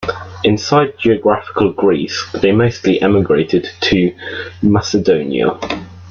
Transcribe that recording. Inside geographical Greece, they mostly emigrated to Macedonia.